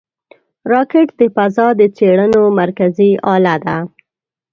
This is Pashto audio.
راکټ د فضا د څېړنو مرکزي اله ده